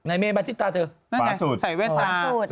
ไหนเมย์บันทิตาเธอนั่นไงใส่แว่นตาตาสุด